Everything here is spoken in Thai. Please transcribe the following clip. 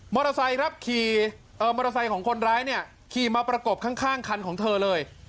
ขี่มอเตอร์ไซค์ของคนร้ายเนี่ยขี่มาประกบข้างคันของเธอเลย